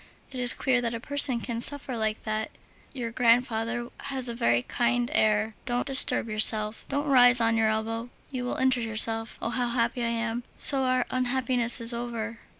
It is queer that a person can suffer like that. Your grandfather has a very kindly air. Don't disturb yourself, don't rise on your elbow, you will injure yourself. Oh! how happy I am! So our unhappiness is over!